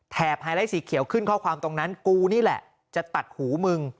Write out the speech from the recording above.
ไฮไลท์สีเขียวขึ้นข้อความตรงนั้นกูนี่แหละจะตัดหูมึง